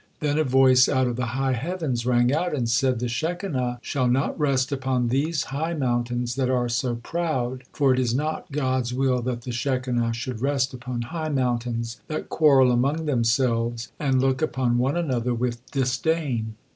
Then a voice out of the high heavens rang out and said: "The Shekinah shall not rest upon these high mountains that are so proud, for it is not God's will that the Shekinah should rest upon high mountains that quarrel among themselves and look upon one another with disdain.